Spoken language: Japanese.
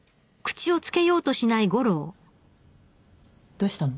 どうしたの？